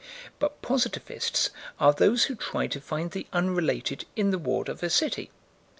But positivists are those who try to find the unrelated in the ward of a city.